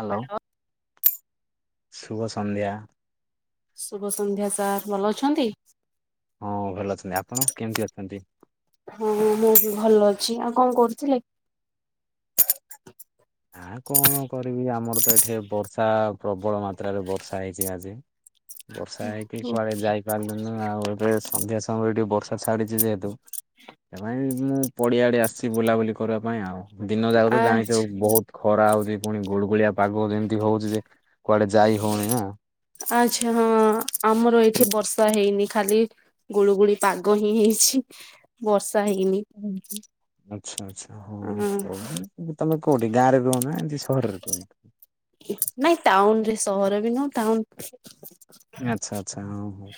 Hello ଶୁଭ ସନ୍ଧ୍ୟା। ଶୁଭ ସନ୍ଧ୍ୟା ସାର୍ ଭଲ ଅଛନ୍ତି? ହଁ ଭଲ ଅଛନ୍ତି ଆପଣ କେମିତି ଅଛନ୍ତି? ହଁ ମୁଁ ବି ଭଲ ଅଛି ଆଉ କଣ କରୁଥିଲେ? ଆଁ କଣ କରିବି ଆମର ତ ଏଠି ବର୍ଷା ପ୍ରବଳ ମାତ୍ରାରେ ବର୍ଷା ହେଇଛି ଆଜି ବର୍ଷା ହେଇକି କୁଆଡେ ଯାଇପାରିଲୁନୁ, ଆଉ ଏବେ ସନ୍ଧ୍ୟା ସମୟରେ ଟିକେ ବର୍ଷା ଛାଡିଛି ଯେହେତୁ ସେତ ପାଇଁ ମୁଁ ପଡିଆ ଆଡେ ଆସିଛି, ବୁଲାବୁଲି କରିବା ପାଇଁ ଆଉ ଦିନ ଯାକ ଆ ତ ଜାଣିଛ ବହୁତ ଖରା ହଉଚି ପୁଣି ଗୁଗୁଳିଆ ପାଗ ଯେମିତି ହଉଛି ଯେ କୁଆଡେ ଯାଇ ହଉନି ନା ଆଚ୍ଛା ହଁ ଆମର ଏଇଠି ବର୍ଷା ହେଇନି ଖାଲି ଗୁଳୁ ଗୁଳି ପାଗ ହିଁ ହେଇଛି ବର୍ଷା ହେଇନି। ଆଛା ଆଚ୍ଛା ହଁ ଅ ହଉ ହଉ ତମେ କୋଉଠି ଗାଁରେ ରୁହନ୍ତି ନା ଏମିତି ସହରରେ ରୁହନ୍ତି? ନାଇ ଟାଉନ୍ ରେ ସହର ବି ନୁହେଁ ଟାଉନ୍ ଆଚ୍ଛା ଆଚ୍ଛା, ହଉ ହଉ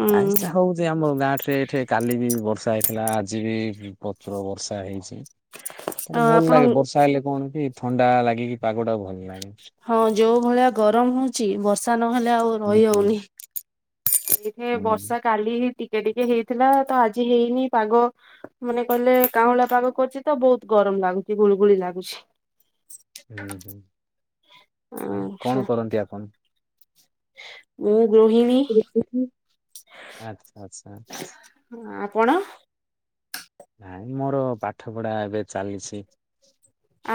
ଉଁ ଆଜିଟା ହଉଚି ଆମର ଗାଁ ଠାରେ ଏଠି କାଲି ବି ବର୍ଷା ହେଇଥିଲା ଆଜି ବି ପ୍ରଚୁର ବର୍ଷା ହେଇଛି ମତେ ଭଲ ଆପଣ ଲାଗେ ବର୍ଷା ହେଲେ କଣ କି ଥଣ୍ଡା ଲାଗିକି ପାଗଟା ଭଲ ଲାଗେ। ହଁ ଯୋଉ ଭଳିଆ ଗରମ ହଉଛି ବର୍ଷା ନହେଲେ ଆଉ ହୁଁ ରହି ହୁଁ ହଉନି ଏଇଠେ ହୁଁ ବର୍ଷା କାଲି ହି ଟିକେ ଟିକେ ହେଇଥିଲା ତ ଆଜି ହେଇନି ପାଗ ମାନେ କହିଲେ କାଁଳି ପାଗ କରୁଛି ତ ବହୁତ ଗରମ ଲାଗୁଚ ଗୁଳିଗୁଳି ଲାଗୁଛି। ହୁଁ ହୁଁ, ଆଉ ଆଚ୍ଛା। କଣ କରନ୍ତି ଆପଣ? ମୁଁ ଗୃହିଣୀ। ଆଚ୍ଛା ଆଚ୍ଛା। ଆପଣ? ନାଇଁ ମୋର ପାଠ ପଢା ଏବେ ଚାଲିଛି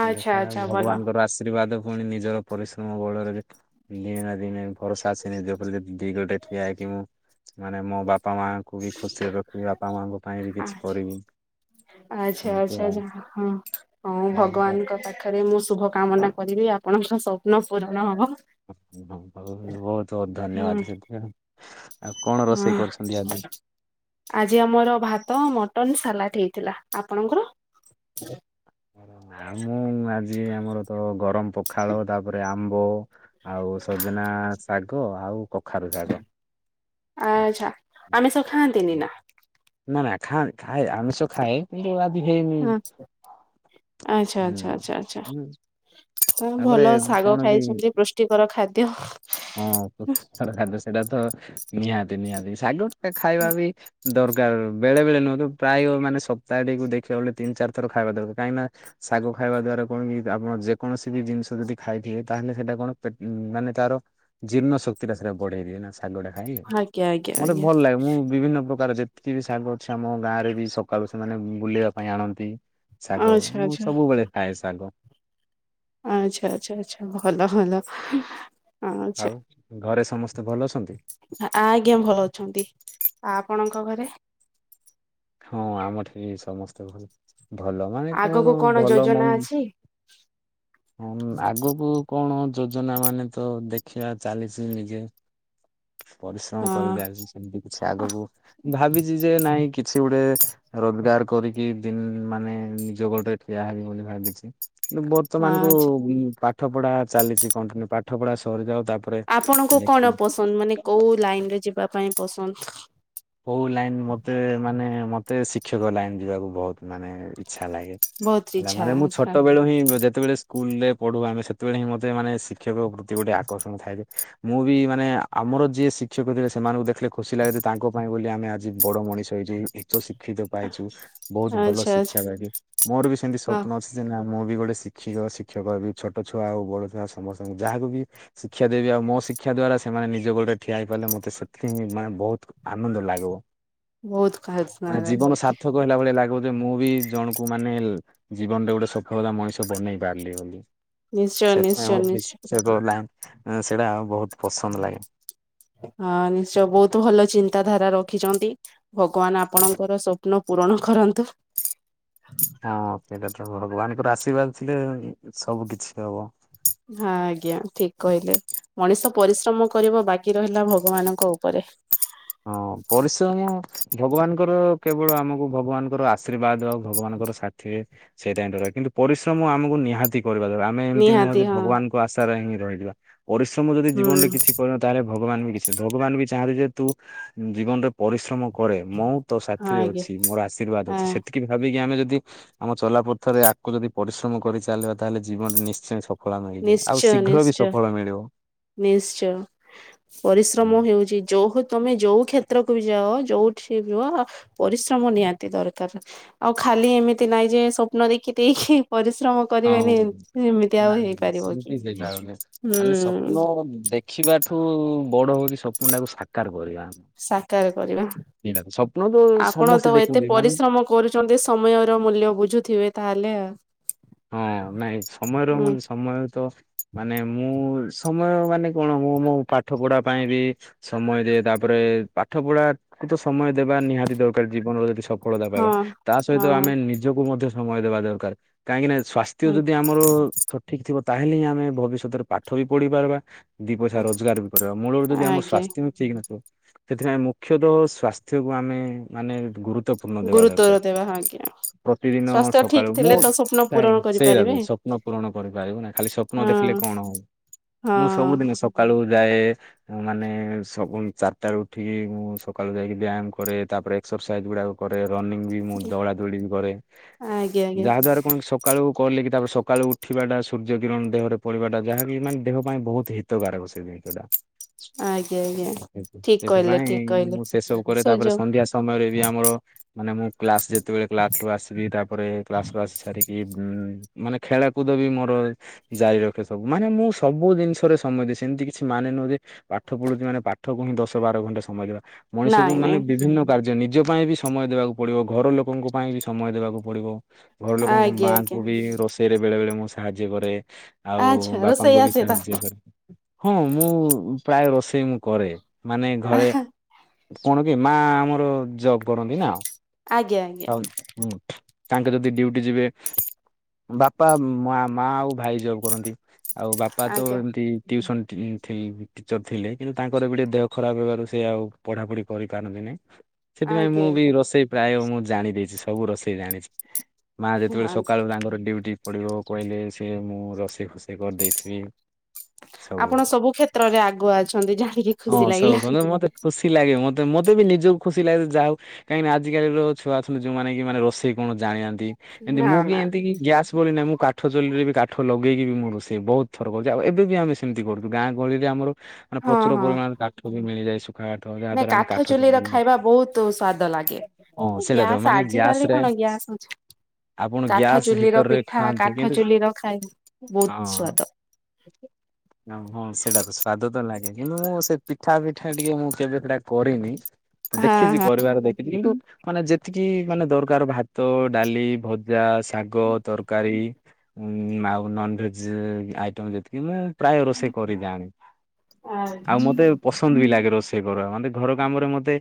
ଆଚ୍ଛା ଦେଖାଯାଉ ଆଚ୍ଛା ଭଲ ଭଗବାନଙ୍କର ଆଶୀର୍ବାଦ ପୁଣି ନିଜର ପରିଶ୍ରମ ବଳରେ ଦିନେ ନା ଦିନେ ଭରସା ଆସ ନିଜ ଉପରେଦ ଦି ଗୋଟେ ଠିଆ ହେଇକି ମୁଁ ମାନେ ମୋ ବାପା ମାଙ୍କୁ ବି ଖୁସିରେ ରଖିବି ବାପା ମାଙ୍କ ପାଇଁ ବି କିଛି କରିବି। ଆଛା ଏମିତି ଆଉ। ଆଛା ହ ହଁ ହୁଁ ହଁ, ଭଗବାନଙ୍କ ପାଖରେ ମୁଁ ଶୁଭ କାମନା କରିବି ଆପଣଙ୍କ ସ୍ୱପ୍ନ ପୂରଣ ହବ। ହ ବହୁତ ବହୁତ ହୁଁ ଧନ୍ୟବାଦ। ଆଉ କଣ ରୋଷେଇ ହଁ, କରୁଛନ୍ତି ଆଜି? ଆଜି ଆମର ଭାତ, ମଟନ, ସାଲାଟ ହେ ଥିଲା। ଆପଣଙ୍କର? ଆମଁ ଆଜି ଆମର ତ ଗରମ ପଖାଳ, ତାପରେ ଆମ୍ବ, ଆଉ ସଜନା ଶାଗ, ଆଉ କଖାରୁ ଶାଗ। ଆଚ୍ଛା ଆମେ ସବ ଖାଆନ୍ତିନି ନା? ନା ନା ଖା ଖାଏ ଆମିଷ ଖାଏ କିନ୍ତୁ ହେଇନି ହଁ ଆଚ୍ଛା ହୁଁ। ଆଚ୍ଛା ଆଛା ଆଛା। ହୁଁ ତ ତାପରେ ଭଲ ଶାଗ କଣ କି ଖାଇଛନ୍ତିଛନ୍ତି ପୃଷ୍ଟିକର ଖାଦ୍ୟ ହଁ ଖା ସେଟା ତ ନିହାତି ନିହାତି ଶାଗ ଟ ଖାଇବା ବି ଦରକାର। ବେଳେଵେଳେୁହଁ ପ୍ରାୟ ମାନେ ସପ୍ତାହକୁ ଦେଖିବାେଳେ ତିନି ଚାର ଥର ଖାଇବା ଦରକାର କାହିଁନା ଶାଗ ଖାଇବା ଦ୍ବରା କଣ କି ଆପଣ ଯେକୌଣ ବି ଜିନିଷ ଯଦି ଖାଇଥିବେ। ତାହେଲେ ସେଇଟା କଣ ମାନେ ତାର ଜୀର୍ଣ୍ଣ ଶକ୍ତିଟା ସେଟା ବଢେଇ ଦିଏ ନା। ସେ ଶାଗା ଖାଇ ଆଉ ଆଜ୍ଞା ଆଜ୍ଞା ମତେ ଆଜ୍ଞା ଭଲ ଲାଗେ ମୁଁ ବିଭିନ୍ନ ପ୍ରକାର ଯେ କି ବି ଶାଗ ଅଛି ଆମ ଗାଁ ରେ ବି ସକାଳୁ ସେମାନେ ବୁଲିବା ପାଇଁ ଆଣନ୍ତି। ଶାଗ ଆଚ୍ଛା ମୁଁ ସବୁବେଳେ ଖାଏ ଶାଗ। ଆଛା ଆଛା ଆଛା ଭଲ ଭଲ। ଆଉ ଘରେ ସମସ୍ତେ ଭଲ ଅଛନ୍ତି? ଆ ଆଜ୍ଞା ଭଲ ଅଛନ୍ତି। ଆ ଆପଣଙ୍କ ଘରେ? ହଁ ଆମଠି ବି ସମସ୍ତେ ଭଲ। ଭଲ ମାନେ କଣ ଆଗକୁ ଭଲ ମ ଯୋଜନା ଅଛି? ଆଗକୁ କଣ? ଯୋଜନା ମାନେ ତ ଦେଖିବା ଚାଲିଚି ନିଜେ ପରିଶ୍ରମ ହଁ କରିକି ଆଛି ସେମିତି କିଛି ଆଗକୁ ଭାବିଚି ଯେ ନାଇଁ କି କିଛି ଗୋଟେ ରୋଜଗାର କରିକି ଦିନ ମାନେ ନିଜ ଗୋଡରେ ଠିଆ ହେବି ବୋଲି ଭାବିଚି। ବର୍ତ୍ତମାନ କୁ ଆଛା ଉ ପାଠ ପଢା ଚାଲିଛି କଣ୍ଟିନ୍ୟୁ ପାଠ ପଢା ସରିଯାଉ। ତାପରେ ଆପଣଙ୍କୁ ଦେଖି କଣ ପସନ୍ଦ ମାନେ କୋଉ ଲାଇନ ରେ ଯିବା ପାଇଁ ପସନ୍ଦ। କୋଉ ଲାଇନ ମତେ ମାନେ ମତେ ଶିକ୍ଷକ ଲାଇନ ଯିବାକୁ ବହୁତ ମାନେ ଆଛା ଲାଗେ। ବହୁତ ହେଲା ଇଚ୍ଛା ମାନେ ମୁଁ ଆଛା ଛୋଟ ବଳୁ ହିଁ ଯେତେବେଳେ ସ୍କୁଲ ରେ ପଢୁ ଆମେ ସେତେବେଳେ ହିଁ ମୋତେ ମାନେ ଶିକ୍ଷକ ପ୍ରତି ଗୋଟେ ଆକର୍ଷଣ ଥାଏ। ମୁଁ ବି ମାନେ ମୋର ଯିଏ ଶିକ୍ଷକ ଥିଲେ ସେମାନଙ୍କୁ ଦେଖିଲେ ଖୁସି ଲାଗେ ତାଙ୍କ ପାଇଁ ବୋଲି ଆମେ ଆଜି ବଡ ମଣିଷ ହେଇ ଉଚ୍ଚ୍ ଶି ଶିକ୍ଷିତ ପାଇଚୁ ବହୁତ ଭଲ ଆଚ୍ଛା ଆଚ୍ଛା ଶିକ୍ଷା ପାଇି ମୋର ବି ସେମିତି ହଁ ସ୍ୱପ୍ନ ଅଛି। ଯେ ନା ମୁଁ ବି ଗୋଟେ ଶିକ୍ଷକ ଶିକ୍ଷକି ଛୋଟ ଛୁଆ ଆଉ ବଡ ଛୁଆ ସମସ୍ତଙ୍କୁ ଯାହାକୁ ବି ଶିକ୍ଷା ଦେବି ଆଉ ମୋ ଶିକ୍ଷା ଦ୍ଵାରା ସେମାନେ ନିଜ ଗୋଡରେ ଠିଆ ହେଇପାରଲେ ମତେ ସେଥିକି ହିଁ ମାନେ ବହୁତ ଆନନ୍ଦ ଲାଗିବ। ବହୁତ ଖାସ। ଜୀବନ ସାର୍ଥକ ହେଲା ଭଳିଆ ଲାଗ ମୁଁ ବି ଜଣକୁ ମାନେ ଜୀବନରେ ଗୋଟେ ସଫଳତା ମଣିଷ ବନେଇ ପାରିଲି ବୋଲି ନିଶ୍ଚୟ ସେଥିପାଇଁ ନିଶ୍ଚୟ ଆମର ନିଶ୍ଚୟ ସେଇଟା ବହୁତ ପସନ୍ଦ ଲାଗେ। ହଁ ନିଶ୍ଚୟ ବହୁତ ଭଲ ଚିନ୍ ଚିତା ଧାରା ରଖିଛନ୍ତି ଭଗବାନ ଆପଣଙ୍କର ସ୍ୱପ୍ନ ପୂରଣ କରନ୍ତୁ। ହଁ ସେଇଟା ତ ଭଗବାନଙ୍କର ଆଶୀର୍ବାଦ ଥିଲେ ସବୁ କିଛି ହବ। ହଁ ଆଜ୍ଞା ଠିକ କହିଲେ ମଣିଷ ପରିଶ୍ରମ କରିବ ବାକି ରହିଲା ଭଗବାନଙ୍କ ଉପରେ ହଁ ପରିଶ୍ରମ ଭଗବାନଙ୍କର କେବଳ ଆମକୁ ଭଗବାନଙ୍କର ଆଶୀର୍ବାଦ ଭଗବାନଙ୍କର ସାଥିରେ ସେଇଟାଇ ଦରକାର କିନ୍ତୁ ପରିଶ୍ରମ ଆମକୁ ନିହାତି କରିବା ଦରକାର ଆମେ ଏମିତି ନିହାତି ଭଗବାନଙ୍କ ଆଶାରେ ହିଁ। ରହିଯିବା ପରିଶ୍ରମ ଯଦି ହୁଁ ଜୀବନରେ କିଛି କରିନ ତାହେଲେ ଭଗବାନ ବି କିଛି ଭଗବାନ ବି ଚାହାଁନ୍ତି ଯେ ତୁ ଜୀବନରେ ପରିଶ୍ରମ କରେ ମୁଁ ତ ହଁ ସାଥିରେ ଆଜ୍ଞା ଅଛି ମୋର ଆଶୀର୍ବାଦ ଆ ଅଛି ସେତିକି ଭାବିକି ଆମେ ଯଦି ଆମ ଚଲାପଥରେ ଆଗକୁ ଯଦି ପରିଶ୍ରମ କରି ଚାଲିବା ତାହେଲେ ଜୀବନରେ ନିଶ୍ଚୟ। ସଫଳ ମିଳିଯିବ ଆଉ ନିଶ୍ଚୟ ଶୀଘ୍ର ବି ନିଶ୍ଚୟ ସଫଳ ମିଳିବ। ନିଶ୍ଚୟ ପରିଶ୍ରମ ହେଉଚି ଯୋଉ ହୁ ତମେ ଯୋଉ କ୍ଷେତ୍ରକୁ ବି ଯାଅ ଯୋଉଠି ରୁହ ପରିଶ୍ରମ ନିହାତି ଦରକାର ଆଉ ଖା ଖାଲି ଏମିତି ନାଇଁ ଯେ ସପ୍ନ ଦେଖି ଦେଇକି ପରିଶ୍ରମ କରିବେନି ଆଉ ଏମିତି ଆଉ ନାହିଁ ହେଇପାରିବ କି ସେମିତି ହୁଁ। ଦେଖିବା ଠୁ ବଡ ହୋଉଚି ସ୍ୱପନ ଟାକୁ ସାକାର କରିବା। ସାକାର କରିବା। ନିହାତି ସ୍ୱପ୍ନ ତ ଆପଣ ସମସ୍ତେ ତ ଏତେ ଦେଖନ୍ତି ମାନେ ପରିଶ୍ରମ କରୁଚନ୍ତି ସମୟର ମୂଲ୍ୟ ବୁଝୁଥିବେ ତାହେଲେ ଆଉ। ହଁ ନାଇଁ ସମୟର ହୁଁ ମ ସମୟ ତ ମାନେ ମୁଁ। ସମୟ ମାନେ କଣ ମୁଁ ମୋ ପାଠ ପଢା ପାଇଁ ବି ସମୟ ଦିଏ ତାପରେ ପାଠ ପଢା ତ ସମୟ ଦେବା ନିହାତି ଦରକାର ଜୀବନର ଯଦି ସ ସଫଳତା ହଁ ପାଇବା ତା ସହିତ ଆମେ ନିଜକୁ ମଧ୍ୟ ସମୟ ଦେବା ଦରକାର କାହିଁକି ନା ସ୍ଵାସ୍ଥ୍ୟ ହଁ ଯଦି ଆମର ସଠିକ୍ ଥିବ। ତାହେଲେ ହିଁ ଆମେ ଭବିଷ୍ୟତରେ ପାଠ ବି ପଢି ପାରବା ଦିଇ ପଇସା ରଜଗାର ବି କରିବା ମୂଳରେ ଯି ଆମର ଆଜ୍ଞା। ସ୍ବାସ୍ଥ୍ୟ ବି ଠିକ୍ ନଥିବ ସେଥିପାଇଁ ମୁଖ୍ୟତଃ ସ୍ଵାସ୍ଥ୍ୟକୁ ଆମେ ମାନେ ଗୁରୁତ ଗୁରୁପୂର୍ଣ୍ଣ ଦେବା ଗୁରୁତ୍ୱର ଦରକାର ଦେବା ଆଜ୍ଞା ପ୍ରତିଦିନ ସ୍ୱାସ୍ଥ୍ୟ ଠିକ ସକାଳୁ ମୁଁ ଥିଲେ ତ ସ୍ୱପ୍ନ ପୂରଣ ସେଇଟା କରିପାରିବେ। ସ୍ୱପ୍ନ ପୂରଣ କରିପାରିବୁ ନାଁ ଖାଲି ସ୍ୱପ୍ନ ହଁ ଦେଖିଲେ କଣ ହବ। ହଁ ମୁଁ ସବୁଦିନ ସକାଳୁ ଯାଏ ମାନେ ସବୁ ଚାରିଟା ବେଳେ ଉଠିକି ମୁଁ ସକାଳୁ ଯାଇକି ବ୍ୟାୟାମ କରେ ତାପରେ ଏଜ ଗୁା କରେ ରନିଙ୍ଗ ବି ମୁଁ ଦୌଳା ଦୋଳି ବି କରେ ଆଜ୍ଞା ଆଜ୍ଞା। ଯାହା ଦ୍ୱାରା ସକାଳୁ କଲେ କି ତାପରେ ସକାଳୁ ଉଠିବାଟା ସୂର୍ଯ୍ୟ କିରଣ ଦେହରେ ପଡ଼ିବାଟା ଯାହାକି ମାନେ ଦେହ ପାଇଁ ବହୁତ ହିତକାରକ। ସେ ଜିନିଷ ଟା। ଆଜ୍ଞା ଆଜ୍ଞା ଠିକ କହିଲେ ସେଥିପାଇଁ ଠିକ କହିଲେ। ମୁଁ ସେସବୁ କରେ ତାପରେ ସୁଯୋଗ ସନ୍ଧ୍ୟା ସମୟରେ ବି ଆମର ମାନେ ମୁଁ କ୍ଲାସ ଯେତେବେଳେ କ୍ଲାସୁ ଆସିବି ତାପରେ କ୍ଲାସୁ ଆସି ମାନେ ଖେଳକୁଦ ବି ମୋର ଜାରି ରଖେ ସବୁ ମାନେ ମୁଁ ସବୁ ଜିନିଷରେ ସେମିତି କିଛି ମାନେ ନୁହଁନ୍ତି ପାଠ ପଢୁଛି ମାନେ ପାଠ କ ହିଁ ଦଶ ବାର ଘଣ୍ଟା ସମୟ ଦେବା। ମଣିଷକୁ ନାଇଁ ମାନେ ନାଇଁ ବିଭିନ୍ନ କାର୍ଯ୍ୟ ନିତି ନିଜ ପାଇଁ ବି ସମୟ ଦେବାକୁ ପଡିବ ଘର ଲୋକଙ୍କ ପାଇଁ ବି ସମୟ ଦେବାକୁ ପଡିବ। ଘର ଲୋକଙ୍କ ଆଜ୍ଞା ଆଜ୍ଞା ମାଆଙ୍କୁ ବି ରୋଷେଇରେ ବେଳେବେଳେ ମୁଁ ସାହାଯ୍ୟ କରେ। ଆଉ ଆଚ୍ଛା ରୋଷେଇ ବାପାଙ୍କୁ ବି ଆସେ ତ ସାହାଯ୍ୟ କରେ ହଁ ମୁଁ ପ୍ରାୟ ରୋଷେଇ ମୁଁ କରେ ମାନେ ଘରେ କଣ କି ମା ଆମର ଜ କରନ୍ତି ନା ଆଜ୍ଞା ଆଜ୍ଞା ତାଙ୍କ ଯଦି ଡୁ ଯିବେ ବାପା ମା ମା ଆଉ ଭାଇ ଜବ୍ କରନ୍ତି। ଆଉ ବାପା ତ ଆଜ୍ଞା ଏମିତି ଟ୍ୟଉସନ ଟିଚର ଥିଲେ କିନ୍ତୁ ତାଙ୍କର ବି ଟେ ଦେହ ଖରାପ ହେବାରୁ ସେ ଆଉ ପଢାପଢି କରିପାରନ୍ତି ନାହିଁ। ସେଥିପାଇଁ ମୁଁ ଆଜ୍ଞା ବି ଆଜ୍ଞା ରୋଷେଇ ପ୍ରାୟ ମୁଁ ଜାଣି ଦେଇେଇଛି ସବୁ ରୋଷେଇ ଜାଣିଛି। ମା ଯେତେବେଳେ ସକାଳୁ ତାଙ୍କର ଡ୍ୟୁଟି ପଡିବ କହିଲେ ସେ ମୁଁ ରଷେଇ ଖୁସେଇ କରିଦେଇଥିବି ସବୁ ଆପଣ କ୍ଷେତ୍ରରେ ଆଗୁଆ ଅଛନ୍ତି ଜାଣିକି ହଁ ଖୁସି ସବୁ ଲାଗିଲା ମତେ ଖୁସି ଲାଗେ ମତେ ତ ମତେ ବି ନିଜକୁ ଖୁସି ଲାଗେ ଯେ ହଉ କାହିଁକି ଆଜିିକାଲି ର ଛୁଆ ଅଛନ୍ତି ଯୋଉମାନେ କି ମାନେ ରୋଷେଇ କଣ ଜାଣିନାହାନ୍ତି। ଏମତି ନା ମୁଁ ବି ନା ଏମିତି କି ଗ୍ୟାସ ବୋଲି ନା ମୁଁ କାଠ ଚଲଲିରେ ବି କାଠ ଲଗେଇକି ମୁଁ ରୋଷେଇ ବହୁତ ଥର କରୁଚି ଆଉ ଏବେ ବି ଆମେ ସେମିତି କରୁ ଗାଁ ଗହଳିରେ ଆମର ମାନେ ପ୍ରଚୁର ପରିମାଣରେ କାଠ ବି ମିଳିଯାଏ। ଶୁଖା କାଠ ଯାହା ନା ଦ୍ଵାରା ଆମେ କାଠ ଚୁଲି ର ବି ଖାଇବା ବହୁତ ସ୍ଵାଦ ଲାଗେ। ହଁ ସେଇଟା ତ ଗ୍ୟାସ ମାନେ ଆଜି ଗ୍ୟାସ କାଲି ରେ କଣ ଗ୍ୟାସ ଅଛି ଆପଣ କାଠ ଗ୍ୟାସ୍ ଚୁଲି ହିଟର ର ରେ ପିଠା ଖାଆନ୍ତୁ କାଠ କିନ୍ତୁ ଚୁଲିର ଖାଇ ବହୁତ ହଁ। ସ୍ଵାଦ। ହଁ ସେଟା ତ ସ୍ଵଦ ତ ଲାଗେ କିନ୍ତୁ ମୁଁ ସେ ପିଠା ପିଠା ଟିକେ ମୁଁ କେବେ ସେଟା କରିନି ହଁ ଦେଖିଚି ହଁ କରିବାର ଦେଖିଚି କିନ୍ତୁ ମାନେ ଯେତିକି ମାନେ ଦରକାର ଭାତ ଡାଲି ଭଜା ଶାଗ ତରକାରୀ ଆଉ ନନଭେଜ ଆଇଟମ୍ ସେତିକି ମୁଁ ପ୍ରାୟ ରୋଷେଇ କରି ଜାନେ ଆଉ ମତେ ପସନ୍ଦ ବି ଲାଗେ ରୋଷେଇ କରିବା ମାନେ ଘର କାମ ରେ ମତେ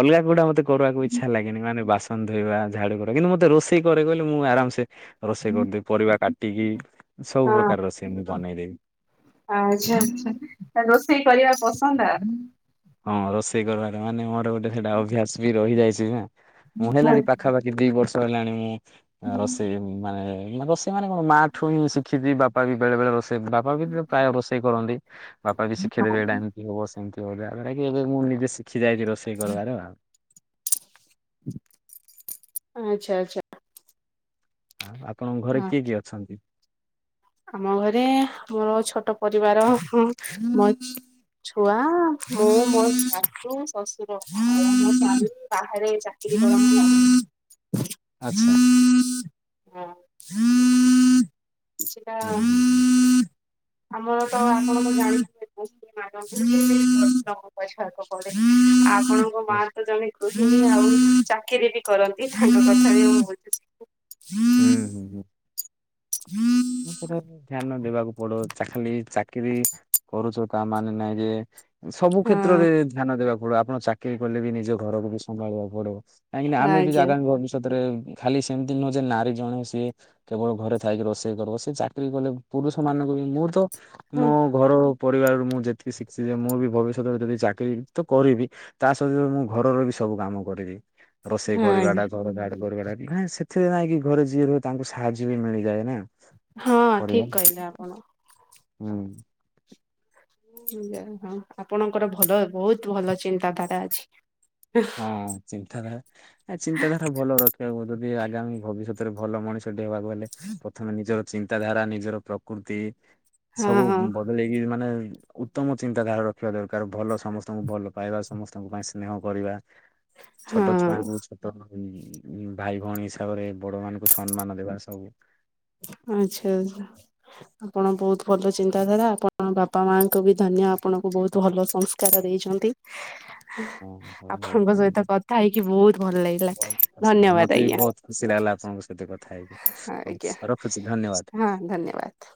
ଅଲଗା ଗୁଡା ମତେ କରିବାକୁ ଇଚ୍ଛା ଲାଗେନି ମାନେ ବାସନ ଧୋଇବା ଝାଡୁ କିନ୍ତୁ ମତେ ରୋଷେଇ କରେ କହିଲେ ମୁଁ ଆରାମ ସେ ରୋଷେଇ କରିଦେବି ପରିବା କାଟିକି ସବୁ ହଁ ପ୍ରକାର ରୋଷେଇ ମୁଁ ବନେଇଦେବି। ଆଚ୍ଛା ଆଛା ରୋଷେଇ କରିବା ପସନ୍ଦ ଆଉ। ହଁ ରୋଷେଇ କରିବାର ମାନେ ମୋର ଗୋଟେ ସେଇଟା ଅଭ୍ୟାସ ବି ରହିଯାଇଛି ନା। ମୁଁ ହେଲାଣି ପାଖାପାଖି ଦି ବର୍ଷ ହେଲାଣି ମୁଁ ରୋଷେଇ ମାନେ ରସେଇ ମାନ କଣ ମା ଠୁ ହଁ ଶିଖିଛି ବାପ ବି ବେଳେବେଳେ ରୋଷ ସେ ବାପା ବି ପ୍ରାୟ ରୋଷେଇ କରନ୍ତି ବାପା ବି ଶିଖେଇ ଦେବେ ଏଇଟା ଏମିତି ହବ ସେମିତି ହବ। [unintelligible] କି ଏବେ ମୁଁ ନିଜେ ଶିଖି ଯାାଇଚି ରୋଷେଇ କରିବାର। ଆଛା ଅଛା। ଆଉ ଆପଣଙ୍କ ଘରେ କିଏ କିଏ ଅଛନ୍ତି? ଆମ ଘରେ ମୋର ଛୋଟ ପରିବାର ଛୁଆ ମୁଁ ମୋ ସାଶୁ ଶଶୁର [unintelligible] ବାହାରେ ଚାକି [unintelligible] ଆଚ୍ଛା। [inaudible] ହୁଁ ହୁଁ ହୁଁ। ଆମର ତ ଆପଣ ତ ଜାଣିଥିବେ। [unintelligible] [inaudible] ଆପଣଙ୍କ ମା ହୁଁ ତ ଜଣେ ଗୃହିଣୀ ଆଉ ଚାକିରି ବି କରନ୍ତି ତାଙ୍କ କଥା ବି ମୁଁ ବୁଝୁଚି। [inaudible] ହୁଁ ହୁଁ ହୁଁ। [inaudible] ସେଟା ଧ୍ୟାନ ଦେବାକୁ ପଡ଼ ଚା ଖାଲି ଚାକିରି କରୁଚ ତା ମାନେ ନାଇଁ ଯେ ସବୁ କ୍ଷେତ୍ରରେ ଧ୍ୟାନ ଦେବାକୁ ପଡିବ ଆପଣ ଚାକିରି କଲେ ବି ନିଜ ଘରକୁ ବି ସମ୍ଭାଳିବାକୁ ପଡିବ। କାହିଁକିନା ଆମେ ବି ଆଜ୍ଞା। ଜାଗା ଭବିଷ୍ୟତରେ ଖାଲି ସେମିତି ନୁହଁ ଯେ ନାରୀ ଜଣେ ସିଏ କେବଳ ଘରେ ଥାଇକି ରୋଷେ ଚାକିରୀ କରିବ ସେ ଚାକିରୀ କଲେ ପୁରୁଷ ମାନଙ୍କୁ ବି ମୁଁ ତ ହଁ ମୋ ଘର ପରିବାରରୁ ମୁଁ ଯେତିକି ଶିଖଚି ଯେ ମୁଁ ବି ଭବିଷ୍ୟତରେ ଯଦି ଚାକିରି ତ କରିବି ତା ସହିତ ମୁଁ ଘରର ବି ସବୁ କାମ କରିବି ରୋଷେଇ ହଁ କରିବା ଆଜ୍ଞା। ଟା ଘର କା [unintelligible] ସେଥିରେ ନାଇଁକି ଘରେ ଯିଏ ରୁହେ ତାଙ୍କୁ ସାହାଯ୍ୟ ବି ମିଳିଯାଏ ନା। ହଁ କରିବା। ଠିକ କହିଲେ ଆପଣ। ହୁଁ। ଆଜ୍ଞା ହଁ ଆପଣଙ୍କର ଭଲ ବୋହୁତ ଭଲ ଚିନ୍ତାଧାରା ଅଛି। ହଁ ଚିନ୍ତାଧାରା। ଆ ଚିନ୍ତାଧାରା ଭଲ ରଖିବାକୁ ଯଦି ଆଗାମୀ ଭବିଷ୍ୟତରେ ଭଲ ମଣିଷଟିଏ ହବାକୁ ହେଲେ ପ୍ରଥମେ ନିଜ ଚିନ୍ତାଧାରା ନିଜର ପ୍ରକୃତି ସବୁ ହଁ ବଦଳେଇକି ମାନେ ଉତ୍ତମ ଚିନ୍ତାଧାରା ରଖିବା ଦରକାର ଭଲ ସମସ୍ତଙ୍କୁ ଭଲ ପାଇବା ସମସ୍ତଙ୍କ ପାଇଁ ସ୍ନେହ କରିବା ଛୋଟୋ ହଁ ଛୁଆଙ୍କୁ ଛୋଟୋ ଉଁ ଉଁ ଭାଇ ଭଉଣୀ ହିସାବରେ ବଡ ମାନଙ୍କୁ ସମ୍ମାନ ଦେବା ସବୁ। [inaudible] ଆଚ୍ଛା ଆଚ୍ଛା ଆପଣ ବୋହୁତ ଭଲ ଚିନ୍ତାଧାରା ଆପଣ ବାପା ମାଆଙ୍କୁ ବି ଧନ୍ୟ ଆପଣ ବହୁତ ଭଲ ସଂସ୍କାର ଦେଇଛନ୍ତି। ହଁ ହଉ ହଉ ଆପଣଙ୍କ ଧନ୍ୟବାଦ ସହିତ କଥା ହେଇକି ବୋହୁତ ଭଲ ଲାଗିଲା ଧନ୍ୟବାଦ ଆଜ୍ଞା। ବା ଆପଣଙ୍କ ସହିତ କଥା ହେଇକି ବି ଆଜ୍ଞା ହୋଉ ରଖି ହଁ ଧନ୍ୟବାଦ।